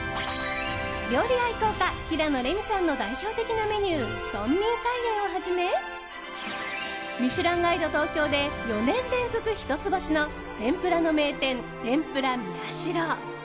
料理愛好家・平野レミさんの代表的なメニュー豚眠菜園をはじめ「ミシュランガイド東京」で４年連続一つ星の天ぷらの名店天婦羅みやしろ。